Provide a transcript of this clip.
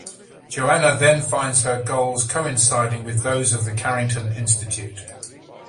Joanna then finds her goals coinciding with those of the Carrington Institute.